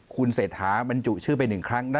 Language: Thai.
คุณเศรษฐาบรรจุชื่อไป๑ครั้ง